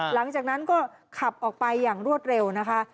หลังจากนั้นก็ขับออกไปอย่างรวดเร็วนะคะ